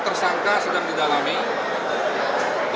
kembangkan beberapa mp yang lainnya